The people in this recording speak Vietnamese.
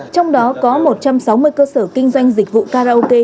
trong đó có một trăm sáu mươi cơ sở kinh doanh dịch vụ karaoke